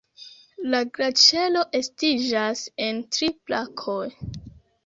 La glaĉero estiĝas en tri brakoj.